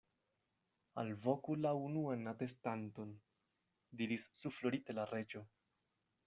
"Alvoku la unuan atestanton," diris suflorite la Reĝo.